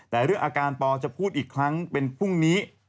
แต่เรื่องอาการปอจะพูดอีกครั้งเป็นพรุ่งนี้